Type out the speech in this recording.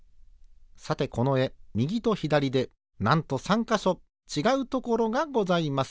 さてこのえみぎとひだりでなんと３かしょちがうところがございます。